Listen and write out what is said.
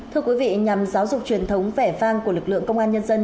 thưa quý vị nhằm giáo dục truyền thống vẻ vang của lực lượng công an nhân dân